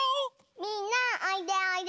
みんなおいでおいで！